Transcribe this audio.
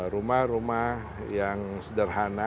rumah rumah yang sederhana